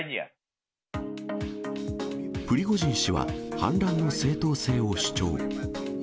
プリゴジン氏は反乱の正当性を主張。